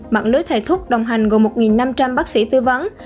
mạng lưới thầy thuốc đồng hành gồm một năm trăm linh bác sĩ tư vấn